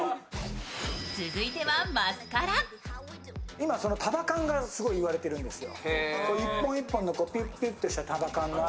今、束感がすごい言われてるんですよ。